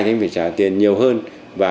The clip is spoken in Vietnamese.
thì anh phải trả tiền nhiều hơn và